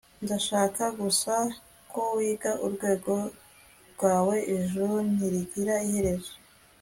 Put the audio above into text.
ndashaka gusa ko wiga urwego rwaweijuru ntirigira iherezo